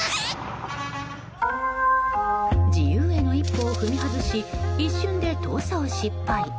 自由への一歩を踏み外し一瞬で逃走失敗。